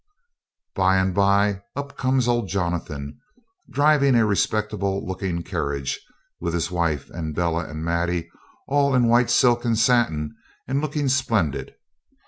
By and by up comes old Jonathan, driving a respectable looking carriage, with his wife and Bella and Maddie all in white silk and satin, and looking splendid.